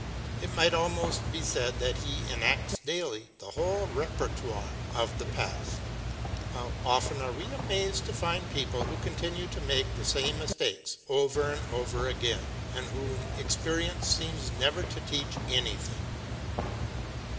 It might almost be said that he enacts daily the whole repertoire of the past. How often are we amazed to find people who continue to make the same mistakes over and over again and whom experience seems never to teach anything.